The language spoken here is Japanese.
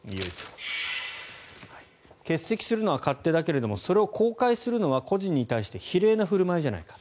欠席するのは勝手だけれどもそれを公開するのは故人に対して非礼な振る舞いじゃないか。